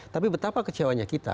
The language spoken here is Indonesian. tapi betapa kecewanya kita